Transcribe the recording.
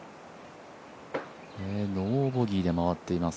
ノーボギーで回っています。